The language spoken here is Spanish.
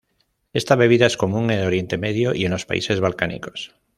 Esta bebida es común en el Oriente Medio y en los países balcánicos.